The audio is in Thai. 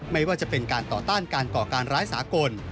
ไม่ว่าจะเป็นการต่อต้านการก่อการร้ายสากล